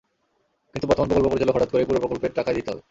কিন্তু বর্তমান প্রকল্প পরিচালক হঠাৎ করেই পুরো প্রকল্পের টাকাই দিতে হবে।